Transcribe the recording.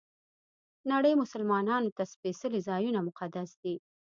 نړۍ مسلمانانو ته سپېڅلي ځایونه مقدس دي.